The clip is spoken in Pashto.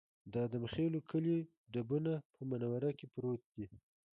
د ادم خېلو کلی ډبونه په منوره کې پروت دی